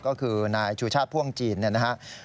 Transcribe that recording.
ก็คือนายชูชาติพ่วงจีนเนี่ยนะครับ